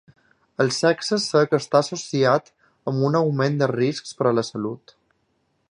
El sexe sec està associat amb un augment dels riscs per a la salut.